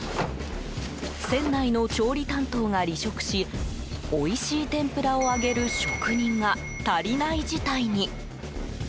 船内の調理担当が離職しおいしい天ぷらを揚げる職人が足りない事態に。